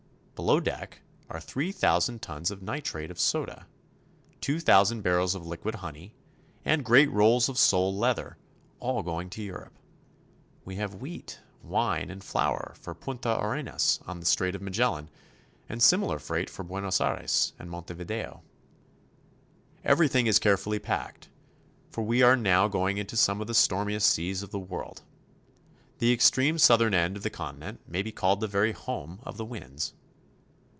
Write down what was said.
Below deck are three thousand tons of nitrate of soda, two thousand barrels of liquid honey, and great rolls of sole leather, all going to Europe. We have wheat, wine, and COAL MINES. 149 flour for Punta Arenas, on the Strait of Magellan, and similar freight for Buenos Aires and Montevideo. Everything is carefully packed, for we are now going into some of the stormiest seas of the world. The ex treme southern end of the continent may be called the very home of the winds.